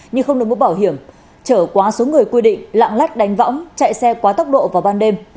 nhưng không được bảo hiểm chở quá số người quy định lạng lách đánh võng chạy xe quá tốc độ vào ban đêm